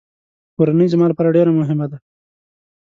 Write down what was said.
کورنۍ زما لپاره ډېره مهمه ده.